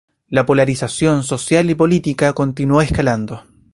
La polarización social y política continuó escalando.